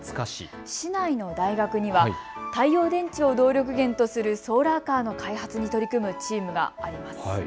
市内の大学には太陽電池を動力源とするソーラーカーの開発に取り組むチームがあります。